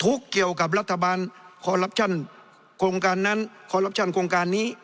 เกี่ยวกับรัฐบาลคอลลับชั่นโครงการนั้นคอลลับชั่นโครงการนี้